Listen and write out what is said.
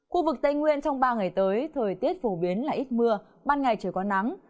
khu vực tây nguyên trong ba ngày tới thời tiết phổ biến là ít mưa ban ngày trời có nắng